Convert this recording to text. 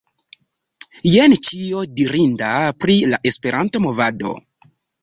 Jen ĉio dirinda pri "La Esperanto-Movado."